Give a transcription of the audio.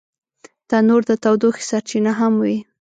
تنور د تودوخې سرچینه هم وي